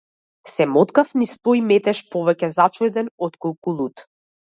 Се моткав низ тој метеж повеќе зачуден отколку лут.